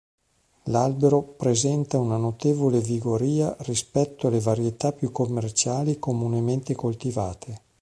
L'albero presenta una notevole vigoria rispetto alle varietà più commerciali comunemente coltivate.